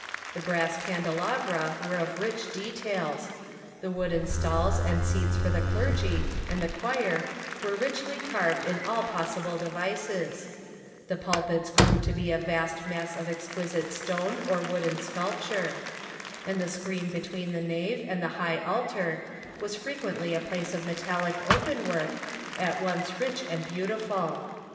The brass can delabra were of rich details ; the wooden stalls and seats for the clergy and the choir were richly carved in all possible devices ; the pulpits grew to be a vast mass of exquisite stone or wooden sculpture ; and the screen between the nave and high altar was frequently a piece of metallic open work, at once rich and beautiful.